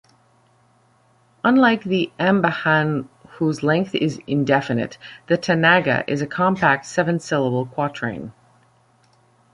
Unlike the ambahan whose length is indefinite, the tanaga is a compact seven-syllable quatrain.